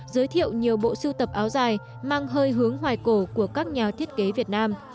giới thiệu nhiều bộ sưu tập áo dài mang hơi hướng hoài cổ của các nhà thiết kế việt nam